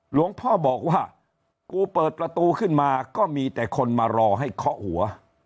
หลวงพ่อบอกว่ากูเปิดประตูขึ้นมาก็มีแต่คนมารอให้เคาะหัว